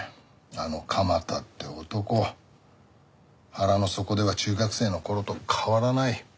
あの鎌田って男腹の底では中学生の頃と変わらない。